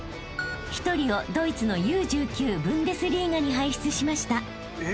［１人をドイツのＵ−１９ブンデスリーガに輩出しました］